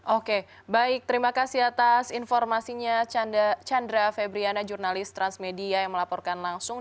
oke baik terima kasih atas informasinya chandra febriana jurnalis transmedia yang melaporkan langsung